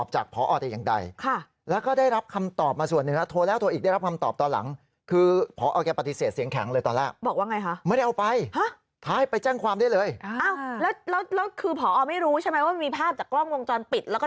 ใช่ไหมว่ามีภาพจากกล้องวงจรปิดแล้วก็จับภาพได้